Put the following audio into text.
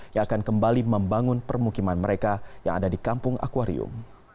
yang akan kembali membangun permukiman mereka yang ada di kampung akwarium